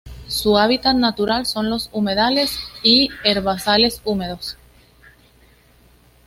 Su hábitat natural son los humedales y herbazales húmedos.